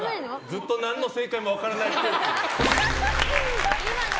ずっと何の正解も分からないっぽい。